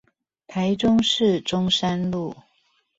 台中市中山路